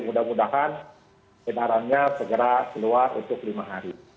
mudah mudahan edarannya segera keluar untuk lima hari